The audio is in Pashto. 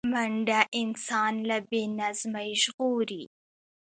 منډه انسان له بې نظمۍ ژغوري